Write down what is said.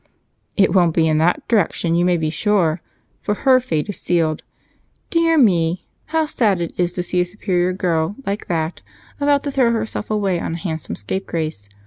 "It won't be in that direction, you may be sure, for her fate is sealed. Dear me, how sad it is to see a superior girl like that about to throw herself away on a handsome scapegrace.